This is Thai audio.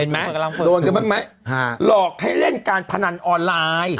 โดนกันบ้างไหมหลอกให้เล่นการพนันออนไลน์